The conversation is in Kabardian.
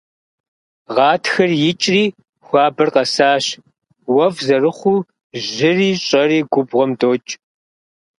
Гъатхэр икӏри хуабэр къэсащ, уэфӏ зэрыхъуу жьыри щӏэри губгъуэм докӏ.